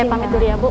saya pamit dulu ya bu